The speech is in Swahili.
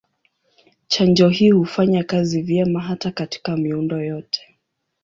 Chanjo hii hufanya kazi vyema hata katika miundo yote.